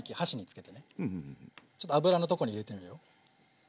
ちょっと油のとこに入れてみるよ。